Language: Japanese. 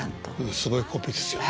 すごいコンビですよね。